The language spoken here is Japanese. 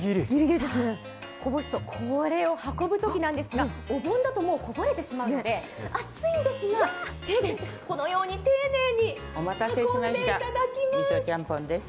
これを運ぶときなんですが、お盆だとこぼれてしまうので、熱いんですが手でこのように丁寧に運んでいただきます。